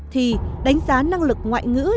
thì đánh giá năng lực ngoại ngữ